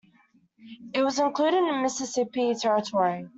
It was included in the Mississippi Territory.